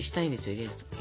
入れる時。